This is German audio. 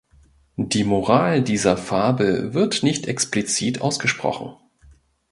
Die Moral dieser Fabel wird nicht explizit ausgesprochen.